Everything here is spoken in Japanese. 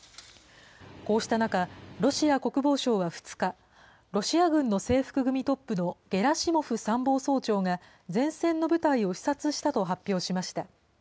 こうした中、ロシア国防省は２日、ロシア軍の制服組トップのゲラシモフ参謀総長が、前線の部隊を視察したと発表しました。